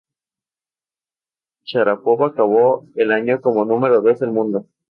Sharápova acabó el año como número dos del mundo.